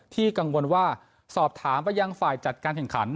กังวลว่าสอบถามไปยังฝ่ายจัดการแข่งขัน